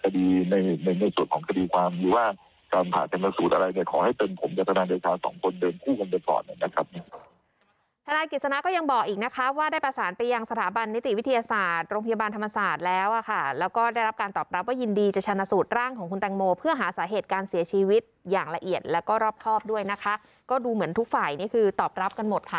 โดยพอร์ตหน่อยนะครับ